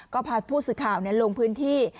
ก็พาผู้สื่อข่าวลงพื้นที่